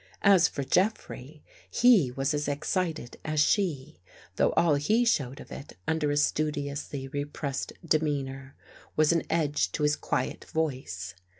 As for Jeffrey, he was as excited as she, though all he showed of it, under a studiously repressed demeanor, was an edge to his quiet voice.